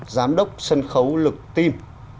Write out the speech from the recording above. giám đốc sân khấu lực team